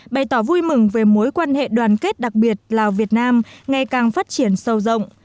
bày tỏ vui mừng về mối quan hệ đoàn kết đặc biệt lào việt nam ngày càng phát triển sâu rộng